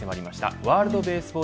ワールド・ベース・ボール